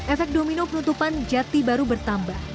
efek domino penutupan jati baru bertambah